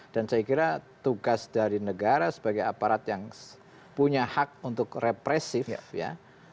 dan saya kira tugas dari negara sebagai aparat yang punya hak untuk represif ya